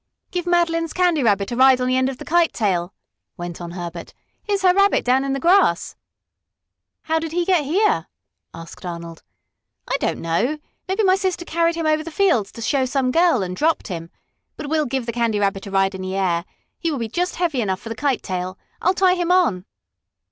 "Give Madeline's Candy Rabbit a ride on the end of the kite tail," went on Herbert. "Here's her Rabbit down in the grass." "How did he get here?" asked Arnold. "I don't know. Maybe my sister carried him over the fields to show to some girl and dropped him. But we'll give the Candy Rabbit a ride in the air. He will be just heavy enough for the kite tail. I'll tie him on."